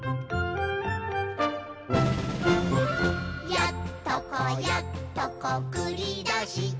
「やっとこやっとこくりだした」